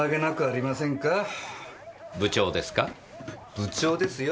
部長ですよ。